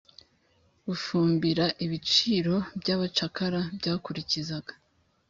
Bufumbira Ibiciro by abacakara byakurikizaga